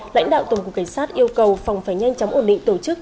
lãnh đạo tổng cục cảnh sát yêu cầu phòng phải nhanh chóng ổn định tổ chức